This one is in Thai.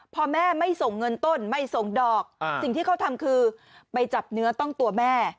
พอแม่ไม่ส่งเงินต้นไม่ส่งดอกสิ่งที่เขาทำคือไปจับเนื้อต้องตัวแม่